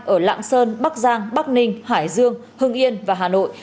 ở lạng sơn bắc giang bắc ninh hải dương hưng yên và hà nội